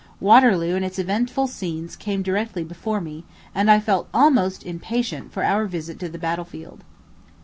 Waterloo and its eventful scenes came directly before me, and I felt almost impatient for our visit to the battle field.